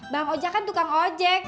bang oja kan tukang ojek